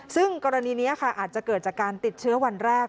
ซึ่งกรณีนี้ค่ะอาจจะเกิดจากการติดเชื้อวันแรก